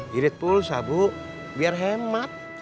girit pulsa bu biar hemat